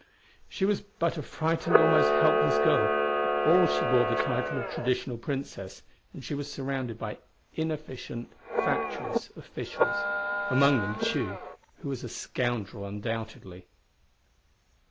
She was but a frightened, almost helpless girl, for all she bore the title of traditional Princess, and she was surrounded by inefficient, fatuous officials among them Tugh, who was a scoundrel, undoubtedly.